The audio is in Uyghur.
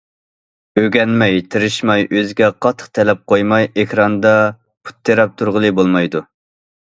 ئۆگەنمەي، تىرىشماي، ئۆزىگە قاتتىق تەلەپ قويماي ئېكراندا پۇت تىرەپ تۇرغىلى بولمايدۇ.